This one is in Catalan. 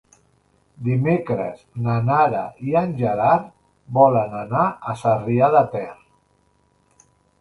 Dimecres na Nara i en Gerard volen anar a Sarrià de Ter.